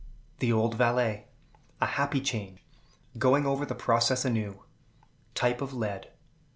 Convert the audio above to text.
The Old Valet. A Happy Change. Going over the Process anew. Type of Lead.